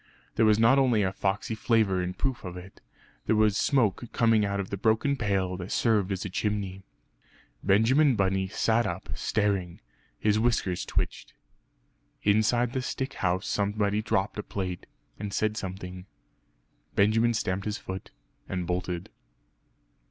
There was not only a foxey flavour in proof of it there was smoke coming out of the broken pail that served as a chimney. Benjamin Bunny sat up, staring; his whiskers twitched. Inside the stick house somebody dropped a plate, and said something. Benjamin stamped his foot, and bolted.